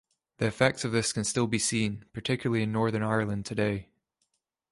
The effects of this can still be seen, particularly in Northern Ireland, today.